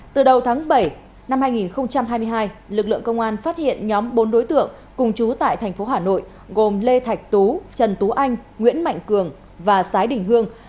từ đầu tháng bảy năm hai nghìn hai mươi hai lực lượng công an phát hiện nhóm bốn đối tượng cùng chú tại thành phố hà nội gồm lê thạch tú trần tú anh nguyễn mạnh cường và sái đình hương